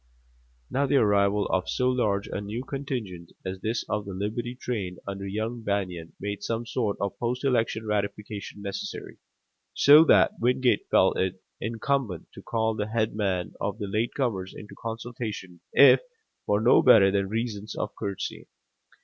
Now the arrival of so large a new contingent as this of the Liberty train under young Banion made some sort of post election ratification necessary, so that Wingate felt it incumbent to call the head men of the late comers into consultation if for no better than reasons of courtesy.